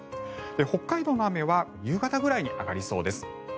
北海道の雨は夕方ぐらいに上がりそうです。